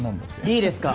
いいですか？